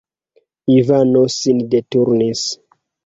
Ivano sin deturnis.